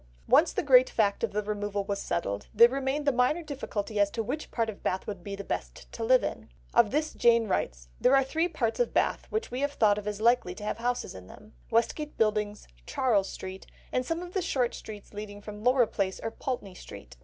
Once the great fact of the removal was settled, there remained the minor difficulty as to which part of Bath would be the best to live in; of this Jane writes: "There are three parts of Bath which we have thought of as likely to have houses in them—Westgate Buildings, Charles Street, and some of the short streets leading from Laura Place or Pulteney Street.